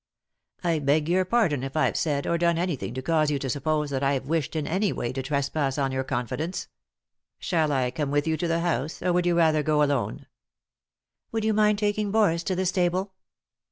" I beg your pardon if I've said, or done, anything to cause you to suppose that I wished in any way to trespass on your confidence. Shall I come with you to the house, or would you rather go alone 7 " "Would you mind taking Boris to the stable